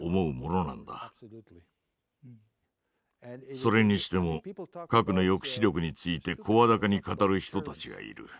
それにしても核の抑止力について声高に語る人たちがいる。